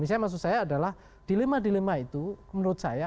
misalnya maksud saya adalah dilema dilema itu menurut saya